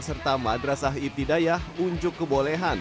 serta madrasah ibtidayah unjuk kebolehan